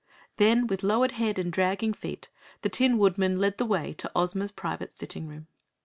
Then, with lowered head and dragging feet, the Tin Woodman led the way to Ozma's private sitting room.